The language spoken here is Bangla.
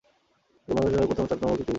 এটি মহাকাশে ভারতের শততম কৃত্রিম উপগ্রহ।